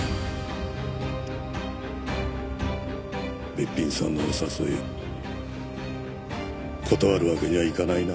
べっぴんさんのお誘い断るわけにはいかないな。